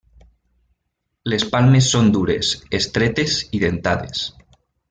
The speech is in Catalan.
Les palmes són dures, estretes i dentades.